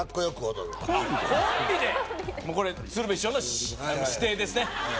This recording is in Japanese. これ鶴瓶師匠の指定ですね